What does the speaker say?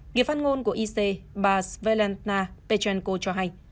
nghiệp phát ngôn của ic bà svelentna petrenko cho hay